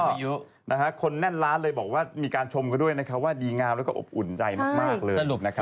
เออแล้วก็คนแน่นร้านเลยบอกว่ามีการชมกันด้วยนะครับว่าดีงามแล้วก็อบอุ่นใจมากเลยนะครับ